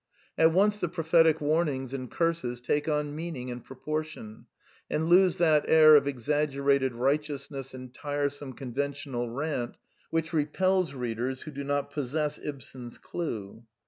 At once the prophetic warnings and curses take on meaning and pro portion, and lose that air of exaggerated right eousness and tiresome conventional rant which repels readers who do not possess Ibsen's clue.